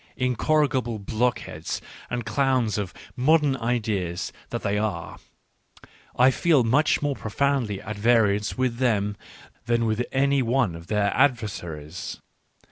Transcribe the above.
Incorrigible blockheads and clowns of " modern ideas " that they are, I feel much more profoundly at variance with them than with any one of their adversaries.